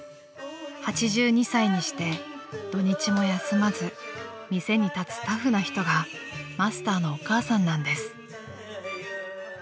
［８２歳にして土日も休まず店に立つタフな人がマスターのお母さんなんです］